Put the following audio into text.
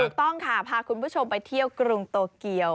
ถูกต้องค่ะพาคุณผู้ชมไปเที่ยวกรุงโตเกียว